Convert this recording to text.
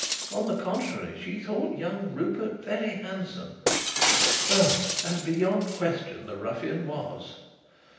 On the contrary, she thought young Rupert very handsome as, beyond question, the ruffian was.